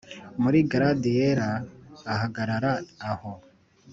muri glade yera, ahagarara aho,